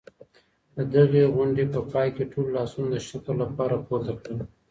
د دغي غونډې په پای کي ټولو لاسونه د شکر لپاره پورته کړل.